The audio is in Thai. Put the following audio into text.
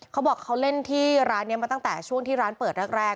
เขาบอกเขาเล่นที่ร้านนี้มาตั้งแต่ช่วงที่ร้านเปิดแรก